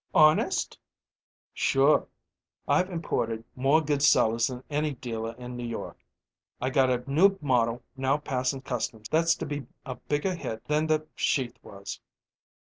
"Honest?" "Sure! I've imported more good sellers than any dealer in New York. I got a new model now passin' customs that's to be a bigger hit than the sheath was.